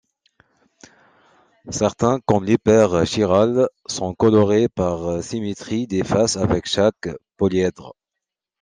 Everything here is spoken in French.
Certains, comme les paires chirales, sont colorés par symétrie des faces avec chaque polyèdre.